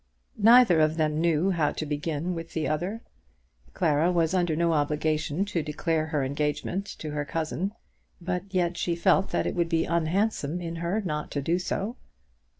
Neither of them knew how to begin with the other. Clara was under no obligation to declare her engagement to her cousin, but yet she felt that it would be unhandsome in her not to do so.